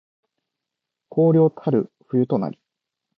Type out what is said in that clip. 荒涼たる冬となり